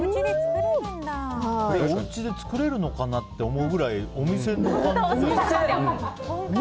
これ、おうちで作れるのかな？って思うくらいお店の感じがする。